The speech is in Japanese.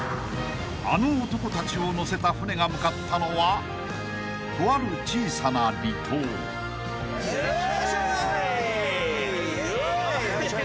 ［あの男たちを乗せた船が向かったのはとある小さな離島］・よいしょ！